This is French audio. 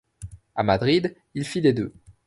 À Madrid, il fit les deux.